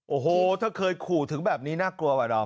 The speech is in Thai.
โอ้โหถ้าเคยขู่ถึงแบบนี้น่ากลัวว่ะดอม